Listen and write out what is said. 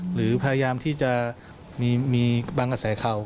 หรือพยายามที่จะมีบางกระแสข่าว